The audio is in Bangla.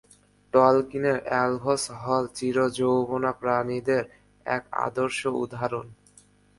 টলকিনের এল্ভস হল চিরযৌবনা প্রাণীদের এক আদর্শ উদাহরণ।